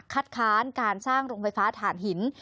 ค้านการสร้างโรงไฟฟ้าฐานหิน